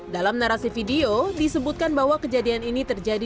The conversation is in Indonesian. dalam narasi video disebutkan bahwa kejadian ini terjadi